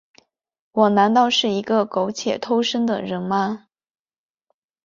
我难道是一个苟且偷生的人吗？